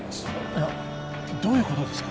いやどういうことですか？